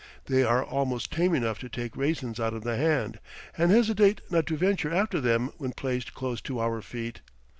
They are almost tame enough to take raisins out of the hand, and hesitate not to venture after them when placed close to our feet.